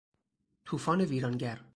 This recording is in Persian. توفان ویرانگر